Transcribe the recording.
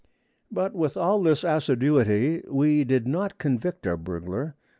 But, with all this assiduity, we did not convict our burglar.